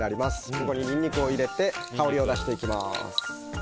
ここにニンニクを入れて香りを出していきます。